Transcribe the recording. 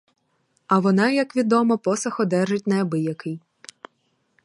А вона, як відомо, посаг одержить неабиякий.